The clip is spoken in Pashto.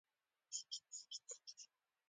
له باران پرته مې بل څه نه لیدل، شراب مې و څښل.